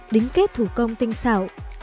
đính kết thủ công tinh xạo